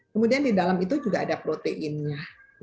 kemudian di dalam itu juga ada proteinnya